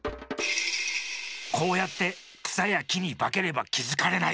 こうやってくさやきにばければきづかれない。